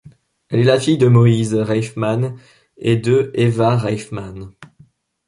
Elle est la fille de Moïse Reifman et de Eva Reifman.